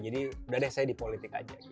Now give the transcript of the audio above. jadi udah deh saya di politik aja